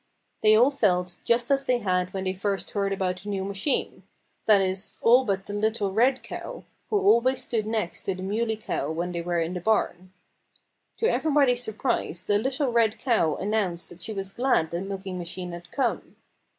They all felt just as they had when they first heard about the new machine that is, all but the little red cow, who always stood next to the Muley Cow when they were in the barn. To everybody's surprise the little red cow announced that she was glad the milking machine had come.